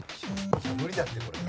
無理だってこれ。